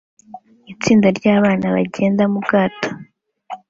itsinda ry'abana bagenda mu bwato